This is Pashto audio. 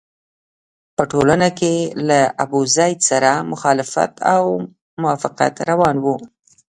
په ټولنه کې له ابوزید سره مخالفت او موافقت روان وو.